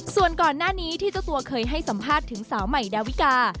ส่วนก่อนหน้านี้ที่เจ้าตัวเคยให้สัมภาษณ์ถึงสาวใหม่ดาวิกา